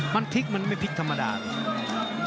มันพลิกมันไม่พลิกธรรมดาเลย